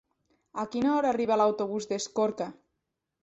A quina hora arriba l'autobús d'Escorca?